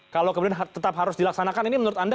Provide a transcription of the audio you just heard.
kalau kemudian tetap harus dilaksanakan ini menurut anda